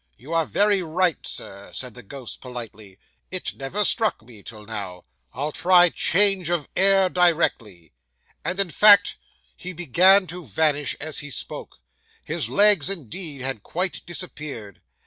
"You are very right, Sir," said the ghost politely, "it never struck me till now; I'll try change of air directly" and, in fact, he began to vanish as he spoke; his legs, indeed, had quite disappeared.